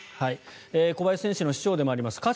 小林選手の師匠でもあります